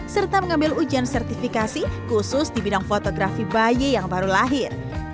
serta mengambil ujian sertifikasi khusus di bidang fotografi bayi yang baru lahir